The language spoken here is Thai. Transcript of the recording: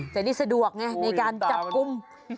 แต่นี่สะดวกไงในการจับกลุ่ม